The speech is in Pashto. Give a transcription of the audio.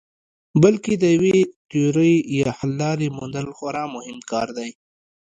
بلکې د یوې تیورۍ یا حللارې موندل خورا مهم کار دی.